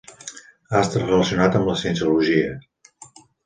Ha estat relacionat amb la cienciologia.